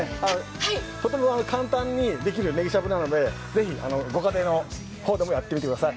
とても簡単にできるねぎしゃぶなので、ぜひご家庭の方でもやってみてください。